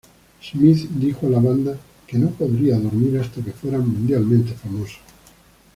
Smith dijo a la banda que "no podría dormir hasta que fueran mundialmente famosos".